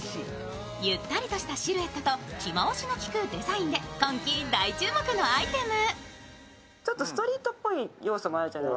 ゆったりとしたシルエットと着回しのきくデザインで今季大注目のアイテム。